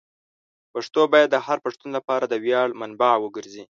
پښتو باید د هر پښتون لپاره د ویاړ منبع وګرځي.